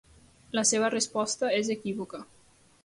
La seva resposta és equívoca.